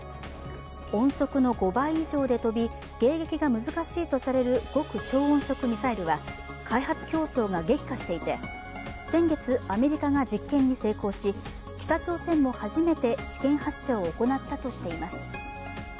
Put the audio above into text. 音速の５倍以上で飛び迎撃が難しいとされる極超音速ミサイルは、開発競争が激化していて先月、アメリカが実験に成功し北朝鮮も初めて試験発射を行ったとしています。